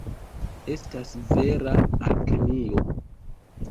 Estas vera alkemio.